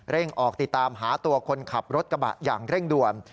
ออกติดตามหาตัวคนขับรถกระบะอย่างเร่งด่วน